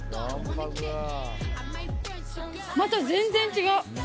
また全然違う。